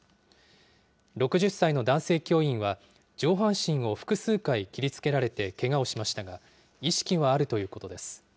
６０歳の男性教員は、上半身を複数回切りつけられてけがをしましたが、意識はあるということです。